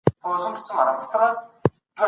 عدالت به راسي.